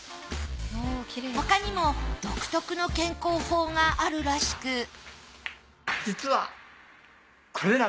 他にも独特の健康法があるらしく実は。